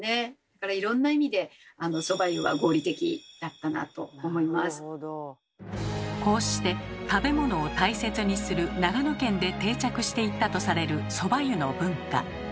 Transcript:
だからいろんな意味でこうして食べ物を大切にする長野県で定着していったとされるそば湯の文化。